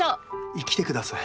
生きてください。